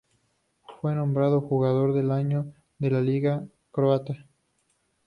Fue nombrado jugador del año de la liga Croata.